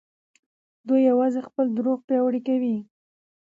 دوی يوازې خپل دروغ پياوړي کوي.